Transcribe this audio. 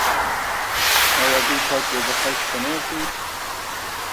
آیا دوی پاکې اوبه خلکو ته نه ورکوي؟